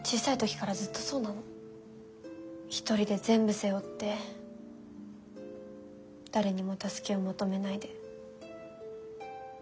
一人で全部背負って誰にも助けを求めないで。